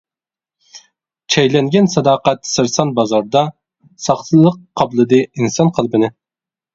چەيلەنگەن ساداقەت سەرسان بازاردا، ساختىلىق قاپلىدى ئىنسان قەلبىنى.